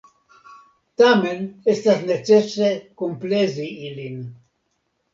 Tamen estas necese komplezi ilin.